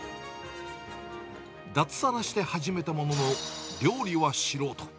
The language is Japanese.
脱サラして始めたものの、料理は素人。